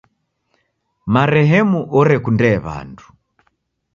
Marehemu orekundee w'andu.